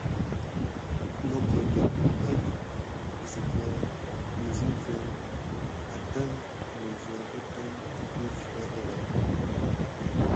Mogodonk pəka nisa kivin à tisik misa dedane tiki feranda.